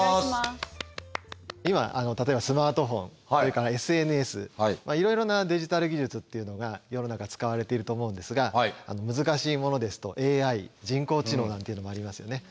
今例えばスマートフォンそれからＳＮＳいろいろなデジタル技術っていうのが世の中使われていると思うんですが難しいものですとＡＩ人工知能なんていうのもありますよね。